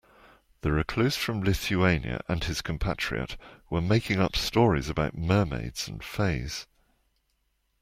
The recluse from Lithuania and his compatriot were making up stories about mermaids and fays.